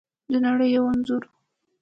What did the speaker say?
د نړۍ یو انځور